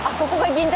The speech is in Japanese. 銀座